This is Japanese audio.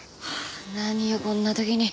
何よこんな時に。